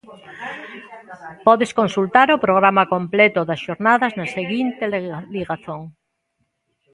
Podes consultar o programa completo das xornadas na seguinte ligazón.